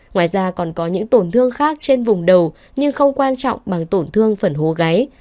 ngoài ra còn có những tổn thương khác trên vùng đầu nhưng không quan trọng bằng tổn thương phần hố gáy